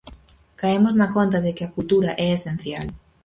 Caemos na conta de que a cultura é esencial.